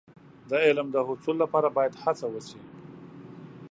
د علم د حصول لپاره باید هڅه وشي.